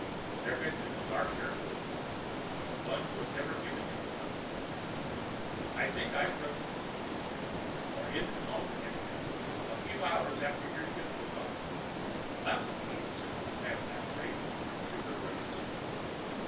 There had been a dark haired girl there, one who had never given him a tumble. "I think I froze to death," she was saying. "Or into coma, anyhow, a few hours after your ship took off. Lousy heating system you have in that crate!" She shivered reminiscently.